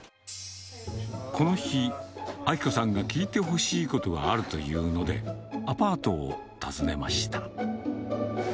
この日、明子さんが聞いてほしいことがあるというので、アパートを訪ねました。